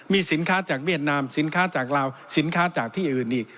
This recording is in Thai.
มีสินค้าจากเวียดนามสินค้าจากลาวสินค้าจากที่อื่นอีก